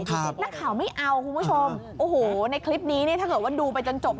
นาข่าวไม่เอาคุณผู้ชมในคลิปนี้ถ้าเกิดว่าดูไปจนจบ